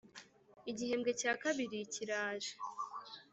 igihembwe cya kabiri kiraje